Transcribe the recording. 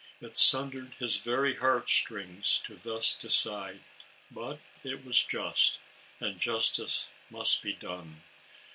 It sundered his very heart strings to thus decide, but it was just, and justice must be done.